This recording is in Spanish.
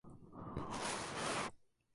Sistema de Información cultural.